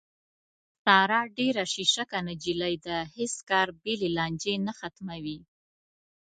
ساره ډېره شیشکه نجیلۍ ده، هېڅ کار بې له لانجې نه ختموي.